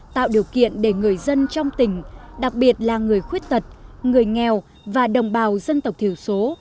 tạo điều kiện để người dân trong tỉnh đặc biệt là người khuyết tật người nghèo và đồng bào dân tộc thiểu số